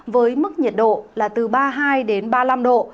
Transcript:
với mức nhiệt độ là từ ba mươi hai đến ba mươi năm độ